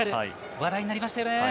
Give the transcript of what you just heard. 話題になりましたよね。